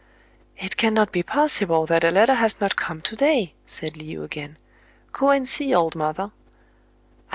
" It cannot be possible that a letter has not come to day," said Le ou again. "Go and see, old mother."